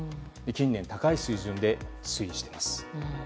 近年高い水準で推移しています。